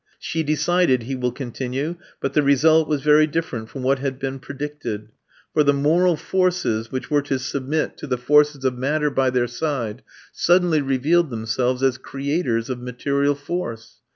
She decided, he will continue, but the result was very different from what had been predicted. For the moral forces, which were to submit to the forces of matter by their side, suddenly revealed themselves as creators of material force.